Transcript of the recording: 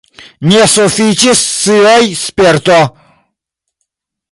Ne sufiĉis scioj, sperto.